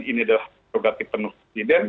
ini adalah prerogatif penuh presiden